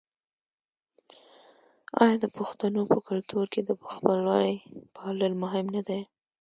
آیا د پښتنو په کلتور کې د خپلوۍ پالل مهم نه دي؟